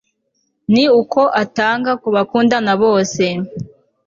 Ni uko atanga kubakundana bose